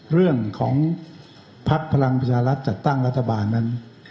เรื่องของภักดิ์พลังประชารัฐจัดตั้งรัฐบาลนั้น